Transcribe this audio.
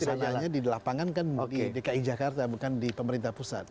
tapi kan pelaksananya di lapangan kan di dki jakarta bukan di pemerintah pusat